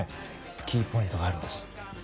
キーポイントがあるんです。